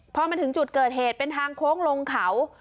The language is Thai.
พอมาถึงจุดเกิดเหตุเป็นทางโค้งลงเขา